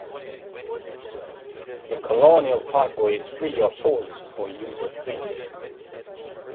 The Colonial Parkway is free of tolls or user fees.